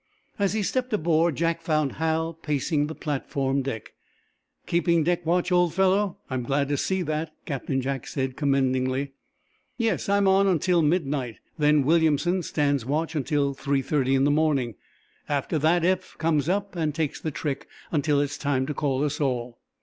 As he stepped aboard Jack found Hal pacing the platform deck. "Keeping deck watch, old fellow? I'm glad see that," Captain Jack said, commendingly. "Yes; I'm on until midnight. Then Williamson stands watch until three thirty in the morning. After that Eph comes up and takes the trick until it's time to call us all."